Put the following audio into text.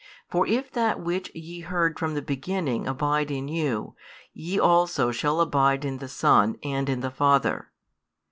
For if that which ye heard from the beginning abide in you, ye also shall abide in the Son, and in the Father.